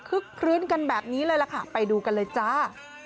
คลื้นกันแบบนี้เลยล่ะค่ะไปดูกันเลยจ้า